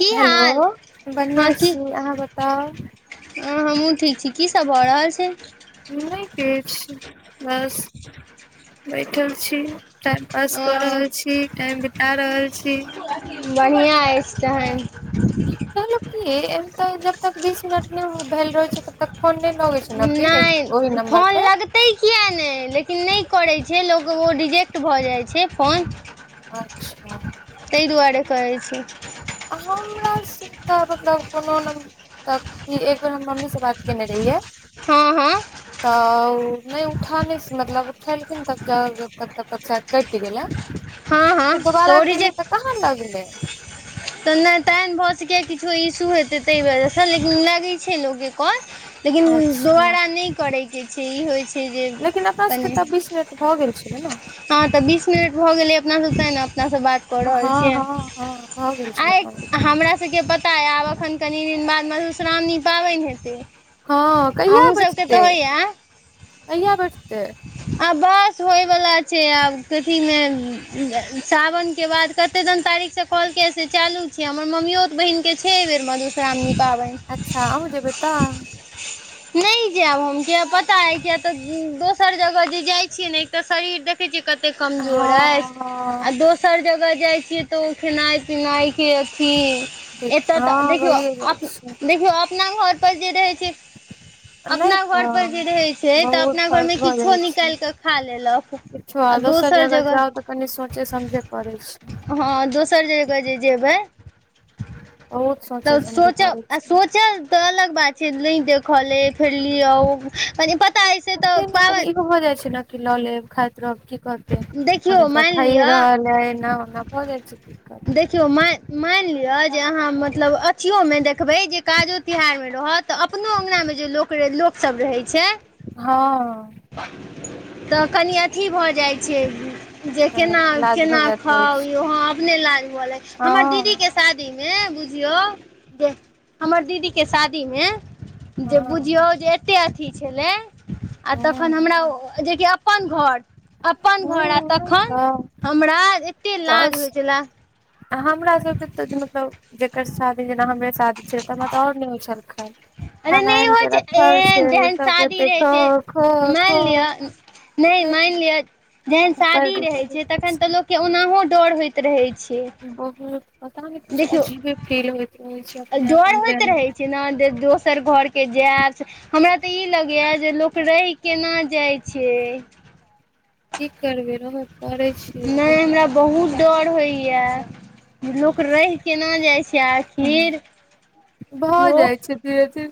की hello हाल? हां बढ़िआँ छी ठीक अहाँ बताउ छै। अ हम्हूँ ठीक छी, की सब भऽ रहल छै। नै किछ बस बैठल छी, टाइम पास कऽ अ रहल छी, टाइम बिता रहल छी। बढ़िया ऐछ तहन कहलौ की ऐता जब तक बीस मिनट नै भेल रहे छै तब तक फोन नै लगै छै नै फिर ओहि नंबर पे एतै किए नै लेकिन नै करय छै लोक ओ रिजेक्ट भऽ जाए छै फोन। अच्छा। तै दुआरे कहय छै। हमरा से तै मतलब कोनो नै तब फिर एक बेर हम मम्मी से बात केने रहिए हँ हँ तऽ उ नै उठा नै से मतलब उठेलखिन्ह तब जब तब तक तब तक शायद कैट गेलै। हँ हँ फेर तऽ दोबारा ओ केलिए रिजेक्ट तऽ कहाँ लगले। तऽ नै तहैन भऽ सकय यै किछो इशू हेतै तै दुआरें से लेकिन लागय छै लोक के कॉल लेकिन अच्छा दोबारा नै करै के छै ई होय छै। से जे लेकिन अपना सबके कनि तब बीस मिनट भऽ गेल छलै ने हां तै बीस मिनट भऽ गेलै अपना सब तै नै अपना सब बात हां-हां-हां। आय हमरा सबके पता यै आब एखन कनि दिन बाद मधुश्रामणी पाबैन हेतै। हां कहिया अहूँ सबके बैठतै, तऽ होइया कहिया बैठतै। आ बस होय बला छै आब कथी मे उम्म ए सावन के बाद कते दन तारीक से कहलकै यै से चालू छै, हमर मम्मियोत बहिन के छै ए बेर मधुश्रामणी पाबैन। अच्छा अहु जेबै तऽ? नै जैब हम किया पता यै किया तै उम्म दोसर जगह जे जाय छीयै नै एक तै शरीर देख‌ देखय छीयै कते हँ कमजोर ऐछ। हँ अ दोसर जगह जाए छियै तै ओ खेनाए पिनाय के अथी देख एतय तै हँ देखियौ भइए जाइ आप छै देखियो अपना घर पर जे रहय छै। नै अपना तऽ घरपर जे रहै छै तऽ बहुत अपना घरमे फर्क भऽ किछो जाए छै। निकालि कऽ खा लेलक छो आ दोसर जगह जाउ तऽ कनि सोचय समझे पड़ै छै। हँ दोसर जगह जे जेबै बहुत सोचे तब समझे सौचे पड़ै अ छै सोचल तऽ अलग बात छै नै देखल ए फेर लिअ उ कनी पत ओखेनै कनि ईहो भ जाए छै नै की लऽ लेब खाएत रहब की कहत तै देखियौ हमेशा मानि खाईयै लिअ रहल हय ऐना-ओना भ जाय छै की कर देखियौ मैय मैन लिअ जे अहाँ मतलब अथीयो मे देखबै जे काजो तिहार मे रहत तऽ अपनो अंगनो मे जे लोक रे लोक सब रहय छै। हां। तऽ कनि अथी भऽ जाए छै उम्म जे कनि इलाज केना-केना भऽ जाइत रहै खाव यौ छै हां अपने लाज भ‌ लै हमर दीदी के हँ शादी मे बुझियौ जे हमर दीदी के शादी में जे हँ बुझियौ जे एते अथी छलै आ तखन हूँ हमरा अ-अ जे अप्पन घर अप्पन घर आ तखन हमरा ए दस हमरा सबके तै जे मतलब जेकर शादी जेना हमरे शादी छै तै हमरा तै और नै होय छल खैल अरे नै होय छै ए जेहन शादी कते रहै खो छै खो खो माएन लिअ नै मैन लियो जेहन बड़ शादी रहै दिक्कत छै होइत तखन तऽ लोक के ओनाहो डर होएत रहे छै। बहुत पता नै कुछ देखियौ अजीबे फील होएत रहै छै अपने आप अन्दरे अंदर। ना दे दोसर घर के जाएत हमरा तऽ ई लगैया जे लोक रैह केना जाय छै। की करबै रहब करै छियै, नहि उहे बात हमरा बहुत डर होयया लोक रैह केना जाय छै आखिर। भऽ जाय लोक छै धीरे-धीरे।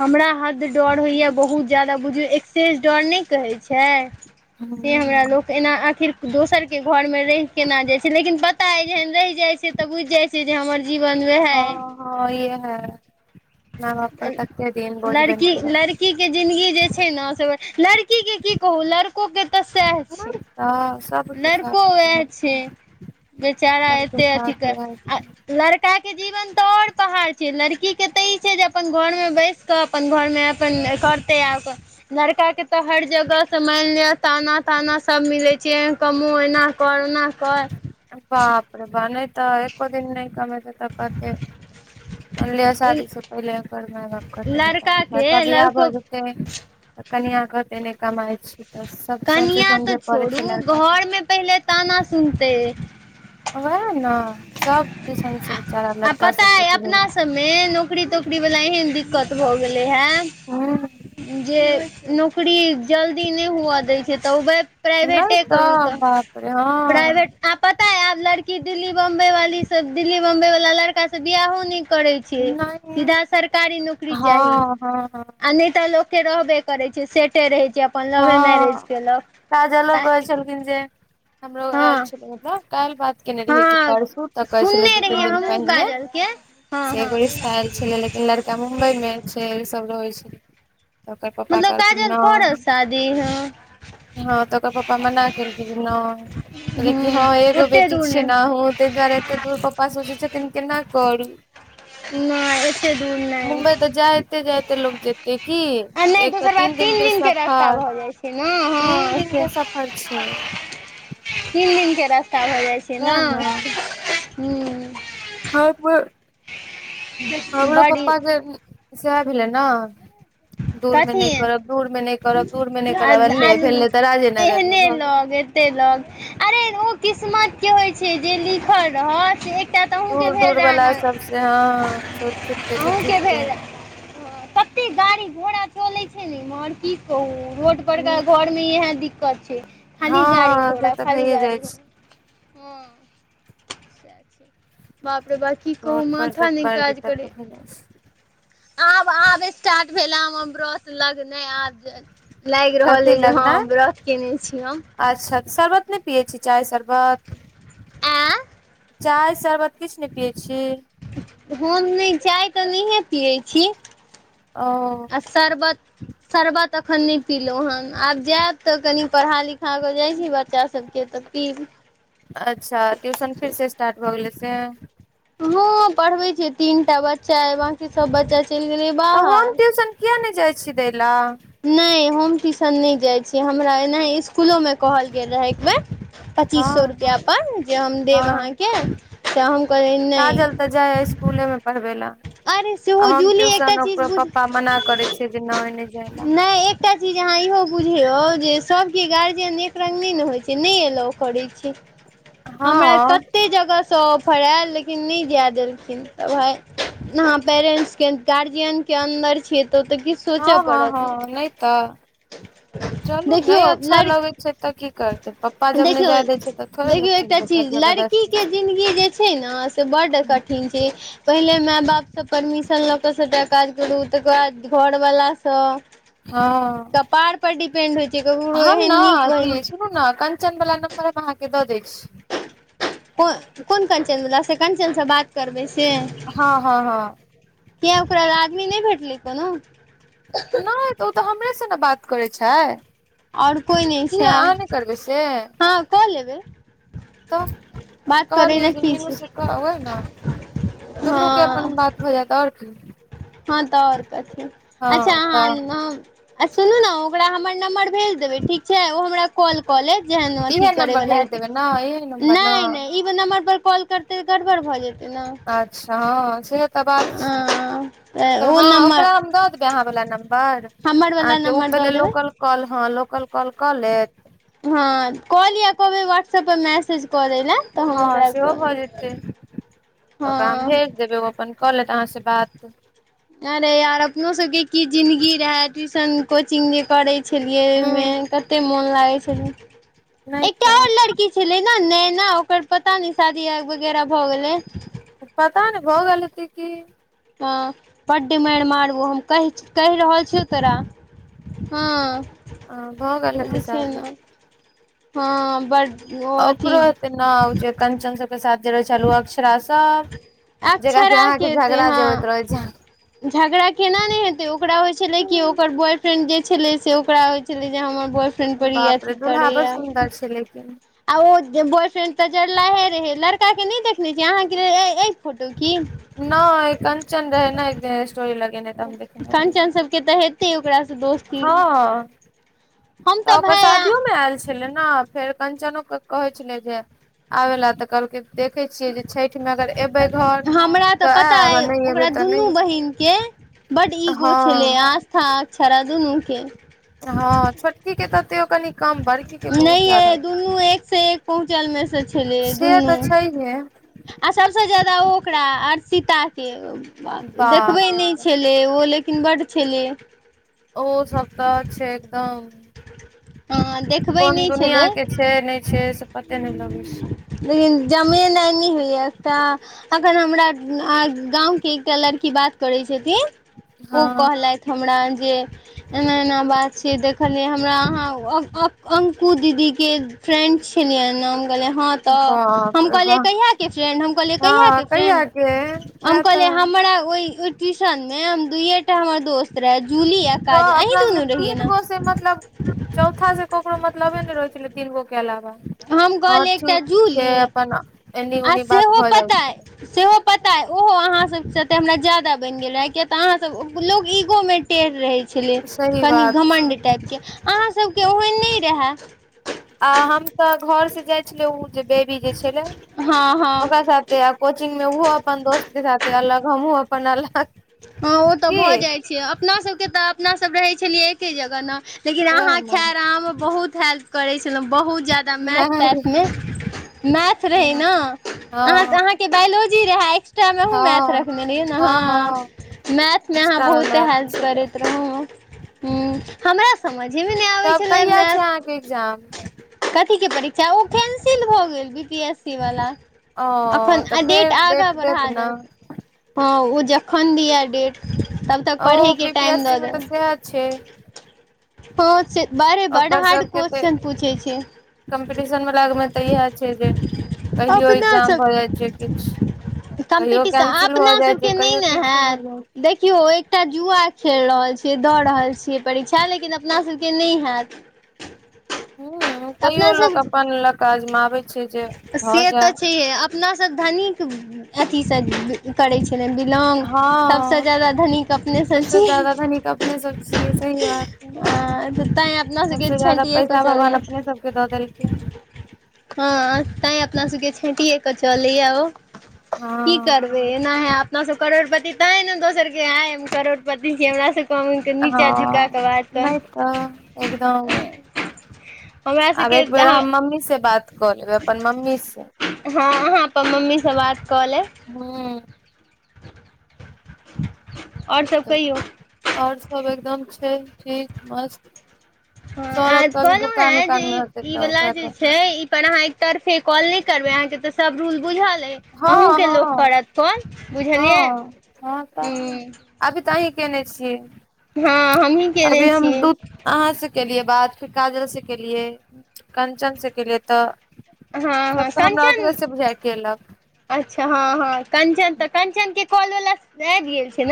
हमरा हद डर होयया बहुत जादा बुझयौ एक्सेस डर नै कहै छै। से हमरा हूँ लोक तऽ एना आखिर दोसर के घर मे रैह केना जाय छै लेकिन पता अय जेहेन रैह जाय छैऽ तऽ बुझ जाय छै जे हमर जीवन वेहाए अय। हां इहाए माय-बाप पर कते दिन बोझ बैन के रहब। की के जिन्दगी जे छै ना से वाए लड़की के की कहु लड़को के तऽ साएह छै, रहल तऽ सबके साथ लड़को वाएह छै। बेचारा सबके एते अथी साथ क रह अ लड़का के जीवन तऽ और पहाड़ छै, लड़की के तऽ ई छै जे अपन घर मे बैस कऽ अपन घर मे अपन करतै आ ओकर लड़का के तऽ हर जगह से मैन लियो ताना-ताना सब मिले छै एंह। कमो एना कर, ओना कर। अ बाप रे बा नै तऽ एको दिन नै कमेतै त कहतै मैन लियो शादी से पहिले अगर माय-बाप कहतै [unintelligible] लड़का फेर त के बियाह भ लड़को जे ते, त कनिया कहतै नै कमाय छी। तऽ सब सोचे कनिया तऽ समझे पड़े छै छोड़ू लड़का घर के मे पहिले ताना सुनतै। उहाए ना सब दिसन से बेचारा लड़का सबके अथी [unintelligible] मे नौकरी-तोकरी वला एहन दिक्कत भ गेले हे। हुं। जे नौकरी जल्दी नै हुआ दै छै तऽ उ [unintelligible] नहि प्राइवेटे करू तऽ त बाप रे हँ प्राइवेट आ पता आय आब लड़की दिल्ली बम्बय वाली सब दिल्ली बम्बय वला लड़का से बियाहो ने करै छै, नहि सीधा सरकारी नौकरी चाही। हँ हँ हँ आ नै तऽ लोक के रहबे करै छै, सेटे रहै छै। अपन लवे हां मैरेज केलक काजलो तऽ कहै छलखिन जे हमरो हँ आएल छलै ओता। काएल बात केने रहियै कि हँ परसू तऽ कहे छलै सुनने दू-तीन रहियै दिन हमहूँ पहिने काजल के हँ से हँ एगो रिश्ता आएल छलै ले लड़का मुम्बय मे छै ई सब रहै छै त ओकर पप्पा कहलखिन नै जी हां। हां तऽ ओकर पप्पा मना केलकै जे नै लेकि हूँ हां एगो ओते बेटी दूर छै नै ना हां तै दुआरे एते दूर प पा सोचे छथिन केना करू। नै एते दूर नै। ते जाते लोग जेते की आ नै एक तऽ दोसर बात तीन दिन के स रास्ता फर भऽ जाइ छै ने तीन हँ दिन से के सफर छै। तीन दिन के रास्ता भऽ जाय छै ना हुं। हम हमरो बड़ी पप्पा के उम्म साएह भेले नै। दूरमे नै कथी करब दूर मे नै करब दूरमे नै आ करब अले आ भेलै तऽ राजेनगर मे भऽ। तेलक अरे ओ किस्मत के होय छै जे लिखल रहत से। एकटा तऽ अहूँके दूर भेल दूर रहए बला ने सबसे हँ छुइट- छुइट अहूँके के। भेल कते गाड़ी घोड़ा चले छै ने इम्हर की कहू रोड पर ह का घर मे इहे दिक्कत छै। खाली गाड़ी हँ से घोड़ा तऽ खाली भइए गाड़ी जाइ हूँ। छै बापरे बा की कहू रोड पर तऽ माथा नै बड़ काज दिक्कत करै। भए जाइ छै आब आब स्टार्ट भेल आ व्रत लगनै आब- लाइग रहल कथी अइ जे हँ लगना व्रत केने छी हम। अच्छा तऽ शरबत नै पियै छी चाय शरबत? आँए चाय शरबत किछ नै पियै छी? हम नैय चाय तऽ नहिए पियै छी। ओ- सरबत- शरबत अखन नै पीलौ हन आब जेएब तऽ कनि पढ़ा लिखा कऽ जाइ छी बच्- च्चा सबके तऽ पीब अच्छा ट्यूशन फिर से स्टार्ट भऽ गेलेै से? हँ पढ़बै छियै तीन टा बच्चा अइ बकी सब बच्चा चैल गेलै बाहर। किए नै जाइ छी दै लेए। नै हम ट्यूशन नै जाइ छै हमरा एनाही स्कुलोमे कहल गेल रहय एक बेेर- हँ पच्चीस सौ रुपैया पर जे हम देब हँ आहाँके तऽ हम कहलियै काजल नैय। तऽ जाय स्कूले मे पड़बेै लेए अरे आ सेहो हम जूली एकटा ट्यूशन ओकरो पप्पा मना करेै। से की नैय नै। नैय एक एकटा चीज आहाँ इहो बुझेयौ जे सब के गार्जियन एक रंग नेै ने होय छै नेै एलाउ करेै छै। हमरा हँ कते जगह- सँ ओफड़ एल लेकिन नै जाए देलखिन तऽ भाइ- नहाँ पेरेंट्स के गार्जियन के अन्दर छियै तऽ ओ तऽ किछ हँ सोचब- हँ हँ नैय तऽ। ह चलू नै अच्छा लगेै छै तऽ की करतेै पप्पा जब नेै जाय देैय छै तब थोड़े लोक चैल जेतै। लड़की जबरदस्ती के से जिन्दगी जे छै न से बड कठिन छै। पहिले मेए बाप के परमिशन लऽ के सबटा काज करू तकर बाद घरवाला के। हँ। हँ। कपार पर डिपेंड होय छै ककरो एहन नीक बहिन- सुनु नऽ कन। चनवला नम्बर आहाँके दऽ दै छी। को कोन कंचन वला से कंचन सँ बात करबै से- हँ, हँ, हँ। किये ओकरा आदमी नै भेटलै कोनो? नै तऽ ओ तऽ हमरे से न बात करै छै। और कोय नै छै किया अहाँ नहि करबै से हँ कऽ लेबै। तऽ बात करै कहलियै लए जे की मीनू छै से कहै नऽ दुनू के अपन हँ बात- हो जाता आर क [unintelligible] हँ तऽ आओर कथी अच्छा हँ तऽ अहाँ? आ सुनू ने ओकरा हमर नम्बर भेज देबै ठीक छै ओ हमरा कॉल कऽ लेत, जेहन अथी इहे नम्बर करैवला भेज हेतै देबै ने इहे नम्बर ने नहि नहि ई नम्बर पर कॉल करतै तऽ गड़बड़ भऽ जेतै, ने अच्छा हँ सेह तऽ बात छै हँ तऽ तब ओ हँ नम्बर ओकरा? [unintelligible] हमर वला नम्बर दऽ देबै कॉल हँ लोकल कॉल कऽ लेत, हँ कॉल या कहब व्हाटसअप पर मैसेज कऽ रे ला, हँ सेहो भऽ जेतै तऽ ओकरा हम हँ भेज देबै, अपन कऽ लेत अहाँ से बात, अरे यार अपनो सबके की जिन्दगी रहे ट्यूशन कोचिंग जे करैत, छलियै मे हूँ कते मन लागे छल नहि एकटा तऽ आओर लड़की? छलै ने नेना ओकर पता न शादी वगैरह भऽ गेलै, पता नहि भो गेललतै की, हँ बडि मारि मारूबो हम कहि रहल छियौ तोरा, हँ, आ ब ओ गेललत जे छै सााबी [unintelligible] ने हँ, ओ अथी ओकरो हेतै न जे कंचन सभके साथ जे रहै छल ओ अक्षरा सभ, अक्षरा के हेत हऽ झगड़ा केना नहि हेतै ओकरा होइत छलै कि छै ओकर बॉयफ्रेंड जे छलै से ओकरा होइत छलै जे हमर बॉय, न पर बाप रे अथी दुल्हा बड़ करैया सुन्दर छै लेकिन [unintelligible] आ ओ बॉयफ्रेंड तऽ जलाहे रहे लड़का के नहि देखने छी अहाँ के फोटो की? [unintelligible] तऽ हम देखने कंचन रहियै सबके तऽ हेतै ओकरासँ दोस्ती, हँ, हम तऽ ओकर भाय शादियो मे आयल छलै ने फेर कंचनओ कहैत छलै जे, आबे लए तऽ कहलकै देखै छियै जे? छठि मे अगर एबै घर हमरा तऽ पता आयब आ अइ नहि एबै ओकरा तऽ दुनू नहि बहिन के, बट इगो छललै हँ आस्था आस्था दुनूके, हँ छोटकी के तऽ तो कनि कम बड़की के नहि बहुत जदा, ये दुनू एक से एक, पहुँचल मे से छलै सेहत दुनू अच्छा ही है, आ सबसे ज्यादा ओ ओकरा अर्चिता के देखबे बाप रे नहि, बाप छलै ओ लेकिन बड छलै, ओ सब तऽ छै एकदम, हँ देखबै कोन नहि दुनिया छलै के छै नहि छै से पते नहि लगै छै, लेकिन जमीन नी हइ एकटा, अखन हमरा गाँवके एकटा लड़की बात करैत छथिन, ओ हँ कहलथि हमरा जे एना एना बात छै, छले हमरा अहा अंकु दीदी के फ्रेंड छलिय नाम गेले हा, तऽ बाप हम रे कहलियै बाह कहियाकके फ्रेंड हम कहलियै कहिया हँ के फ्रेंड, के हम वैह तऽ कहले हमरा ओ ट्यूशन मे हम दुूये टा हमर दोस्त रहे जूली ए, तऽ अपना सबके तीन गो? मतलब चौथा से ककरो मतलबे ने रहै छलै तीन गो के अलावा, हम हँ ठीक छै अपन एन्नी अे ओन्नी बात सेहो भऽ जाइ छै पताए। सेहो पता अइ ओहो अहाँसभसँ तऽ हमरा ज्यादा बनि गेल रहै किय तऽ अहाँसभ लोक ईगोमे टेढ़ रहै छलै सही कनि बात छै घमण्ड टाइपके अहाँसभके ओहन नहि रहै। आ हम तऽ घर से जाइ छले ओ जे बेबी जे छले हँ हँ ओकरा साथे कोचिंग मे ओहो अपन दोस्त के साथे अलग हमहुँ अपन अलग हँ ओ तऽ की भऽ जाइत छै अपनासभके तऽ अपनासभ रहैत छलियै एके जगह ने। लेकिन वैह अहााँ ने खेर में बहुत हेल्प करे छलौ बहुत जादा। मैथ तैथ में मैथ हँ रहैना आहां हँ सब बायोलॉजी रहै एक्स्ट्रा मे अहु मैथ हँ रखने रहियै ने हँ हँ ह। मैथमे अहाँ एक्स्ट्रा मे बहुते मैथ हेल्प छलै करैत रहू। हूँ हमरा समझे मे नै आबै तब छेला कहिया छै मैथ अहाँके एग्जाम कथीक के परीक्षा ओ कैंसिल भऽ गेल बी पी एस सी वला ओ अखन तऽ डेट फेर आगा देत बढ़ा ने देल हँ उ जखन दिया डेट तब तक ओ पढ़ैय के बी पी टाइम एस दऽ सी मे तऽ सएह देलक। छै ह से बर- बड हार्ड क्वेश्चन पूछेै छैय। कम्पीटिशन वलाक मे तऽ इएह छै जे कहियो अपना एकग्जाम सब भऽ जाय छैय किछ कम्पीटिशन अपना सब के नै न किछु भऽ हेऽत। जाइ देखियो एकटा जुआ खेल रहल छियै दऽ रहल छियै परीक्षा लेकिन अपना सबके नै हेऽत। [inaudible] ह तैयो लोक अपन लक अजमाबै छै जे भऽ से जाय तऽ छैहे अपना सँ धनिक अथी सँ करै छेलैय। लौग हँ सब से जादा धनीक अपने सब सबसे छी। ज्यादा धनिक अपने सब छियै सही बात है तैंय अपना सब के सबसे ज्यादा छैटिये के पैसा भगवान चलैया। अपने सबके दऽ देलखिन हँ तैंय अपना सुबके छेैटिये के चलै या ओ की हँ कर एना है अपना सब करोड़पति त है ने दोसर के है करोड़पति छी हमरा पावैन के नीचा झुका हँ के बात कर। नहि तऽ एकदम हमरा आब सबके एक बेेर हँ हम मम्मी से बात कऽ लेबै अपन मम्मी से हँ आहाँ तऽ अपन मम्मी सँ बात कऽ लेब। हूँ और सब कहियौ और सब एकदम छैय ठीक मस्त। हँ आ सौरभ के अभी कहलौ दुकान हेँ जे उकान मे ई होतै ई तऽ वलाा ओकरा जे तऽ छैय। पर आहाँ एक तरफे कॉल नै करबै आहाँके तऽ सब रूल बुझल अै अहूँ हँ के लोक हँ कड़त। कोन बुझलियै हँ हँ तऽ हूँ अभी तऽ अहीं केने छियै हँ हमही केने अभी हम छी दू आहाँ सँ केलियै बात फेर काजल सँ केलियै कंचन सँ केलियै तऽ हँ हँ सब टा हमरा [unintelligible] कंचन बुझाय या केलक अच्छा हँ हँ कंचन तऽ कंचन के काॅल वला अैब गेल छै न।